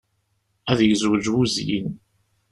Ad yezweǧ wuzyin.